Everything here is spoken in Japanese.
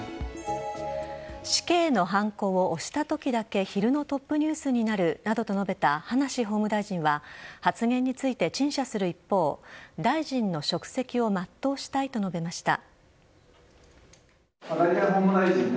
死刑のはんこを押したときだけ昼のトップニュースになるなどと述べた葉梨法務大臣は発言について陳謝する一方大臣の職責を全うしたいと述べました。